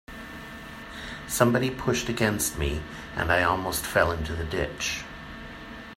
Somebody pushed against me, and I almost fell into the ditch.